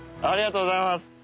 ありがとうございます。